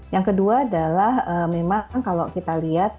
yang kedua adalah memang kalau kita lihat